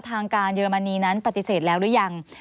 ทางการเยอรมนีนั้นปฏิเสธแล้วหรือยัง